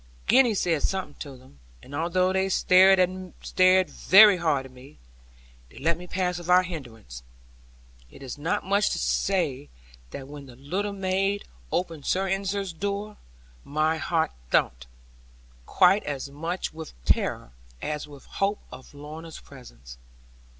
Gwenny said something to them, and although they stared very hard at me, they let me pass without hindrance. It is not too much to say that when the little maid opened Sir Ensor's door, my heart thumped, quite as much with terror as with hope of Lorna's presence.